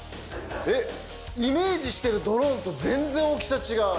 えっイメージしてるドローンと全然大きさ違う。